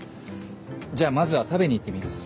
じゃあまずは食べに行ってみます。